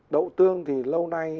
đậu tương thì lâu nay